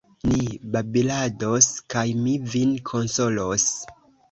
Ni babilados, kaj mi vin konsolos.